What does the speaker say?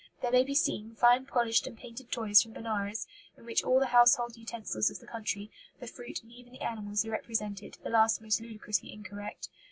There may be seen fine polished and painted toys from Benares, in which all the household utensils of the country, the fruits, and even the animals, are represented, the last most ludicrously incorrect.